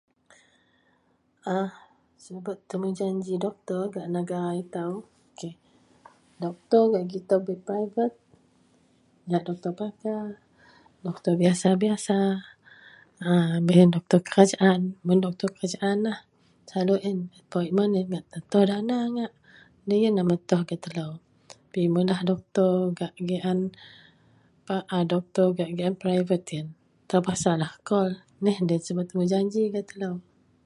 Subet temujanji gak negara ito doktor gak gitou bei doktor pakar doktor biasa biasa baih yian doktor kerajaan. Mun bak temu doktor lo yian lah metoh gak telo.mun lah gak private yian terpaksalah telo kol bahagian lo yian subet temujanji gak kelo.